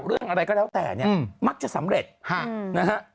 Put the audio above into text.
เรื่องอะไรก็แล้วแต่เนี่ยมักจะสำเร็จนะฮะ